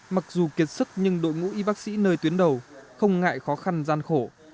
mặc dù kiệt sức nhưng đội ngũ y bác sĩ nơi tuyến đầu không ngại khó khăn gian khổ